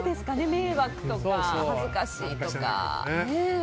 迷惑とか恥ずかしいとか。